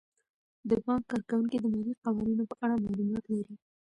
د بانک کارکوونکي د مالي قوانینو په اړه معلومات لري.